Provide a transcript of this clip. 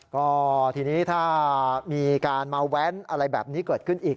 ก็ทีนี้ถ้ามีการมาแว้นอะไรแบบนี้เกิดขึ้นอีก